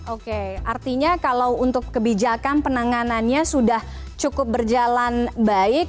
oke artinya kalau untuk kebijakan penanganannya sudah cukup berjalan baik